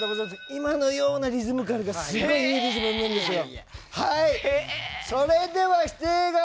今のようなリズミカルですごいいいリズムでした。